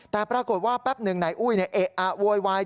แต่ปรากฏว่าแป๊บหนึ่งนายอุ้ยเอะอะโวยวาย